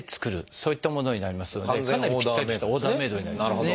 そういったものになりますのでかなりぴったりしたオーダーメードになりますね。